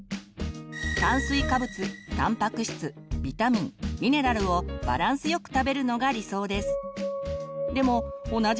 炭水化物たんぱく質ビタミン・ミネラルをバランスよく食べるのが理想です。